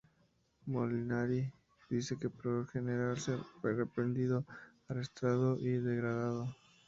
Molinari dice que por negarse, fue reprendido, arrestado y degradado.